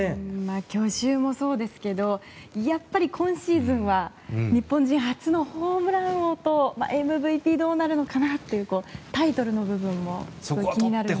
去就もそうですけどやっぱり今シーズンは日本人初のホームラン王とＭＶＰがどうなるのかなというタイトルの部分も気になるんですけど。